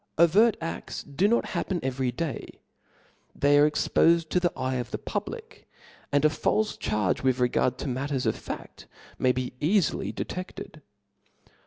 Overt a6U do not happen every day ; they are expofed to the eye of the public ; and a falfe charge with regard to matters of faft may be cafily dc tcfted.